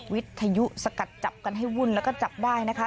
วิทยุสกัดจับกันให้วุ่นแล้วก็จับได้นะคะ